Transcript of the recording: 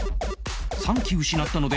３機失ったのでまた